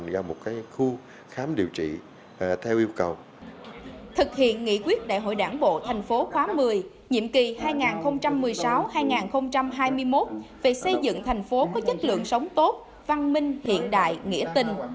thực hiện nghị quyết đại hội đảng bộ thành phố khóa một mươi nhiệm kỳ hai nghìn một mươi sáu hai nghìn hai mươi một về xây dựng thành phố có chất lượng sống tốt văn minh hiện đại nghĩa tình